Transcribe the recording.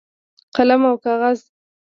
قلم او کاغذ